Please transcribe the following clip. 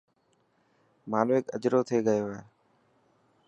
مانوڪ اجرو ٿي گيو هي.